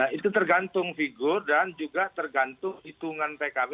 itu tergantung figur dan juga tergantung hitungan pkb